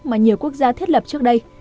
mà nhiều quốc gia thiết lập trước đây